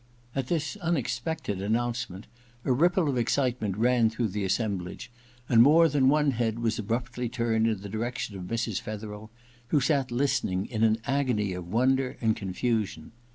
At this unexpected announcement, a ripple of excitement ran through the assemblage, and more than one head was abruptly turned in the direction of Mrs. Fetherel, who sat listening in an agony of wonder and confusion.